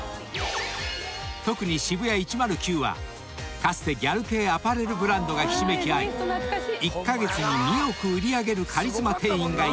［特に渋谷１０９はかつてギャル系アパレルブランドがひしめき合い１カ月に２億売り上げるカリスマ店員がいたほど］